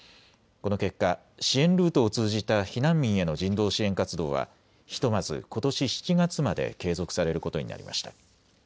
この結果、支援ルートを通じた避難民への人道支援活動はひとまずことし７月まで継続されることになりました。